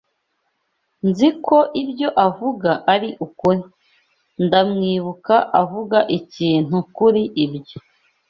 Nzi ko ibyo avuga ari ukuri. Ndamwibuka avuga ikintu kuri ibyo.